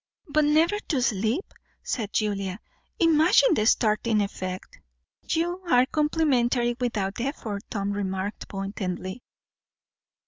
"But never to sleep!" said Julia. "Imagine the staring effect." "You are complimentary without effort," Tom remarked pointedly.